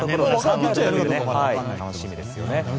楽しみですよね。